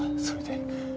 それで。